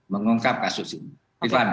mengungkap kasus ini